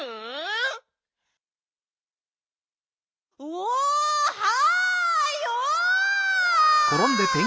おはよう！